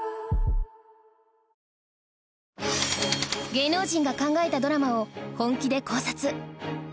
芸能人が考えたドラマを本気で考察